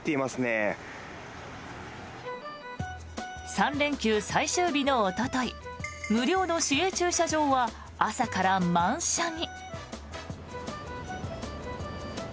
３連休最終日のおととい無料の市営駐車場は朝から満車に。